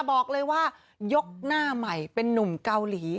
บอกเลยว่ายกหน้าใหม่เป็นนุ่มเกาหลี